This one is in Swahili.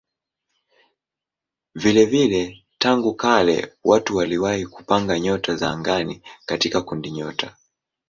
Vilevile tangu kale watu waliwahi kupanga nyota za angani katika kundinyota.